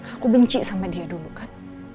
aku benci sama dia dulu kan